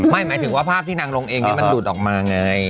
ไม่หมายถึงภาพที่นางลงเอ็งดูดออกมาไง